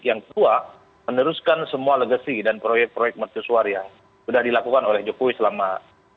yang kedua meneruskan semua legacy dan proyek proyek mercusuar yang sudah dilakukan oleh jokowi selama